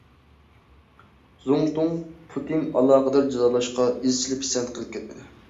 زۇڭتۇڭ پۇتتىن ئالاقىدار جازالاشقا ئىزچىل پىسەنت قىلىپ كەتمىدى.